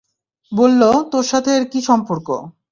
বলল, তোর সাথে এর কী সম্পর্ক?